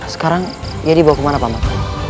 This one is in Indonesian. sekarang dia dibawa kemana pak mok